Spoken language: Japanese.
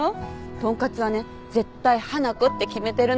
とんかつはね絶対花子って決めてるの。